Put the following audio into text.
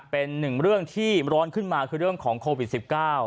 เป็นหนึ่งเรื่องที่ร้อนขึ้นมาคือเรื่องของโควิด๑๙